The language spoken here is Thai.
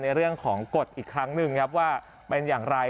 ในเรื่องของกฎอีกครั้งหนึ่งครับว่าเป็นอย่างไร